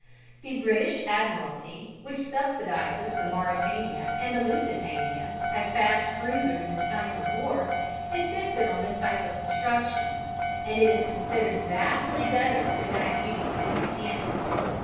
The British Admiralty, which subsidizes the Mauretania and Lusitania as fast cruisers in time of war, insisted on this type of construction, and it is considered vastly better than that used in the Titanic.